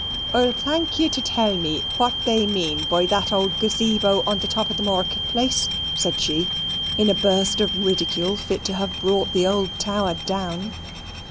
"I'll thank ye tell me what they mean by that old gazabo on the top of the market place," said she, in a burst of ridicule fit to have brought the old tower down.